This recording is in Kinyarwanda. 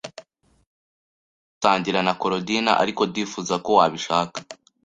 Ntugomba gusangira na Korodina, ariko ndifuza ko wabishaka.